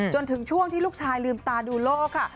จนถึงช่วงที่ลูกชายลืมตาดูโลกค่ะ